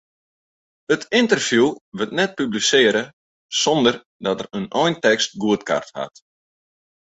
It ynterview wurdt net publisearre sonder dat er de eintekst goedkard hat.